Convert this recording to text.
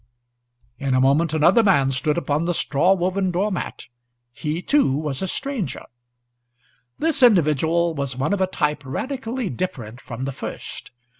In a moment another man stood upon the straw woven door mat. He too was a stranger. This individual was one of a type radically different from the first.